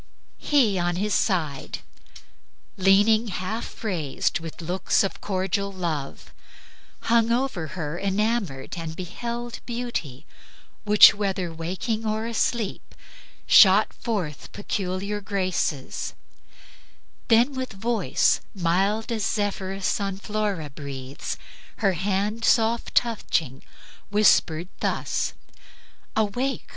"... He on his side Leaning half raised, with looks of cordial love, Hung over her enamored, and beheld Beauty which, whether waking or asleep, Shot forth peculiar graces; then with voice, Mild as when Zephyrus on Flora breathes, Her hand soft touching, whispered thus: 'Awake!